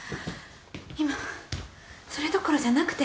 今、それどころじゃなくて。